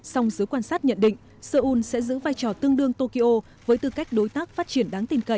song giới quan sát nhận định seoul sẽ giữ vai trò tương đương tokyo với tư cách đối tác phát triển đáng tin cậy